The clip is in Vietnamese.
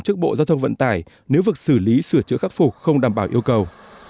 trước bộ giao thông vận tải nếu vực xử lý sửa chữa khắc phục không đảm bảo yêu cầu